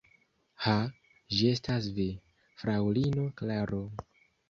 Ha, ĝi estas vi, fraŭlino Klaro!